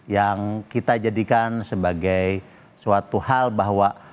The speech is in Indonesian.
yang kita jadikan sebagai suatu hal bahwa